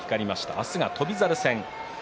明日は翔猿戦です。